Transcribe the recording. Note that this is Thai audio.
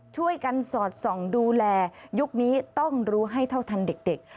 ช่วยกันสอดส่องดูแลยุคนี้ต้องรู้ให้เท่าทันเด็ก